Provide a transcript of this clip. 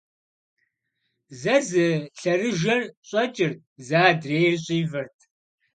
Зэ зы лъэрыжэр щӀэкӀырт, зэ адрейр щӀивэрт.